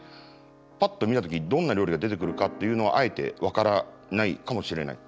パッと見た時にどんな料理が出てくるかっていうのはあえて分からないかもしれない。